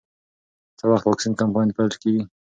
څه وخت واکسین کمپاین پیل کېږي؟